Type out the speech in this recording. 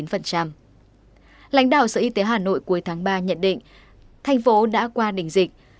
lãnh đạo sở y tế hà nội cuối tháng ba nhận định thành phố đã qua đỉnh dịch